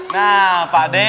nah pak d